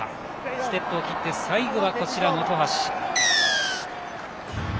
ステップを切って最後は本橋。